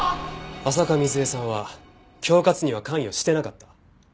浅香水絵さんは恐喝には関与してなかった。